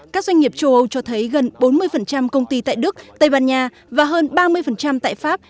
các doanh nghiệp châu âu cho thấy gần bốn mươi công ty tại đức tây ban nha và hơn ba mươi tại pháp